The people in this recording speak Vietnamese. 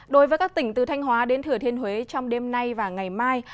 đối với các tỉnh từ thanh hóa đến thừa thiên huế trong đêm nay và ngày mai